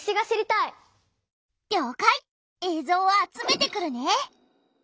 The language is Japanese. えいぞうを集めてくるね！